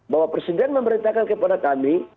bapak presiden memerintahkan kepada kami